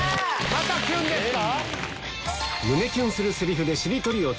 またキュンですか？